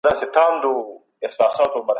تاسو باید د خوړو د کیفیت په اړه پوښتنه وکړئ.